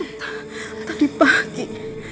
tentang tadi pagi